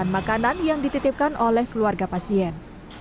makanan yang dititipkan oleh keluarga pasien